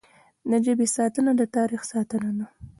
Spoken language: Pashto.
د ژبې ساتنه د تاریخ ساتنه ده.